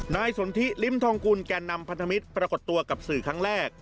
สนทิลิ้มทองกุลแก่นำพันธมิตรปรากฏตัวกับสื่อครั้งแรก